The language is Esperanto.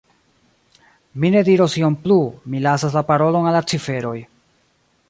Mi ne diros ion plu; mi lasas la parolon al la ciferoj.